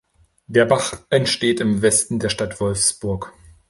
Der Bach entsteht im Westen der Stadt Wolfsburg.